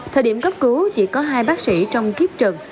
thời điểm cấp cứu chỉ có hai bác sĩ trong kiếp trực